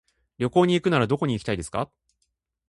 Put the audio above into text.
旅行に行くならどこに行きたいですか。